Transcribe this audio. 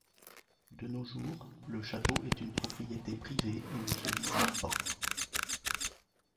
De nos jours, le château est une propriété privée et ne se visite pas.